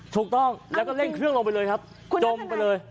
ถูกต้องแล้วก็เร่งเครื่องลงไปเลยครับจมไปเลย